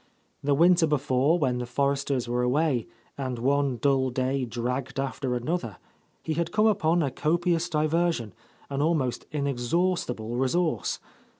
The winter before, when the Forresters were away, and one dull day dragged after another, he had come upon a copious di version, an almost inexhaustible resource.